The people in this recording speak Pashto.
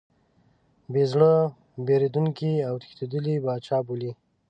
بې زړه، بېرندوکی او تښتېدلی پاچا بولي.